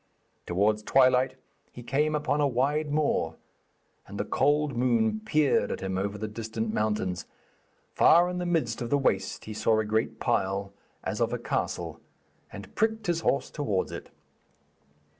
Towards twilight he came upon a wide moor, and the cold moon peered at him over the distant mountains. Far in the midst of the waste he saw a great pile, as of a castle, and pricked his horse towards it.